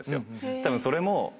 たぶんそれも。